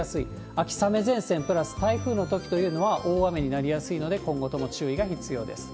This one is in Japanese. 秋雨前線プラス台風のときというのは大雨になりやすいので、今後とも注意が必要です。